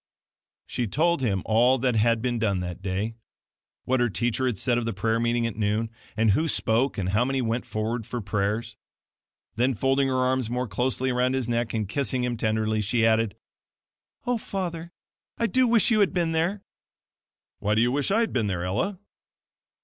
She told him all that had been done that day what her teacher had said of the prayer meeting at noon, and who spoke, and how many went forward for prayers. Then folding her arms more closely around his neck, and kissing him tenderly, she added: "Oh, father, I do wish you had been there!" "Why do you wish I had been there, Ella?"